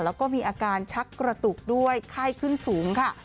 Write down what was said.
แล้วก็มีอาการชักกระตุกด้วยไข้ขึ้นสูงค่ะ